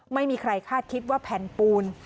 ไม่มีใครคาดคิดว่าแผ่นปูน